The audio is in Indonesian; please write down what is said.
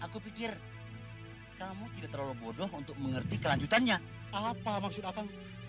aku pikir kamu tidak terlalu bodoh untuk mengerti kelanjutannya apa maksud aku